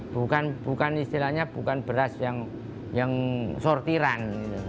bukan bukan istilahnya bukan beras yang yang sortiran